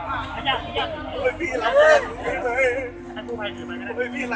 โอ้ยโอ้ยโอ้ยไหลไหลไหลไหลไหล